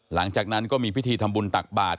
หลังจากนั้นก็มีพิธีทำบุญตักบาท